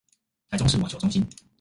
臺中市網球中心